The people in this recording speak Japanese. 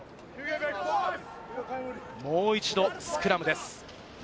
もう一度、スクラムです。